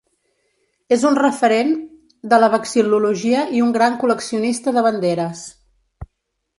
És un referent de la vexil·lologia i un gran col·leccionista de banderes.